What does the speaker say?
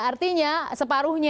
artinya separuhnya ya